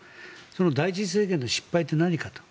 その第１次政権の失敗って何かと。